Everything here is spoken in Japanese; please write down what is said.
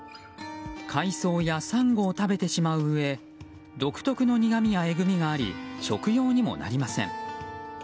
海藻やサンゴを食べてしまううえ独特の苦みやえぐみがあり食用にもなりません。